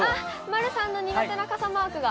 丸さんの苦手な傘マークが。